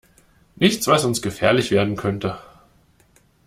Nichts, was uns gefährlich werden könnte.